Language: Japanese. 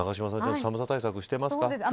寒さ対策してますか。